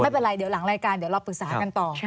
ไม่เป็นไรเดี๋ยวหลังรายการเดี๋ยวเราปรึกษากันต่อ